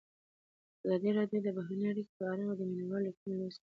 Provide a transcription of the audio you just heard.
ازادي راډیو د بهرنۍ اړیکې په اړه د مینه والو لیکونه لوستي.